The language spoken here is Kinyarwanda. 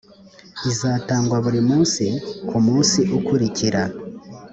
izitangwa buri munsi ku munsi ukurikira